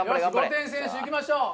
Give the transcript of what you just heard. ５点先取いきましょう。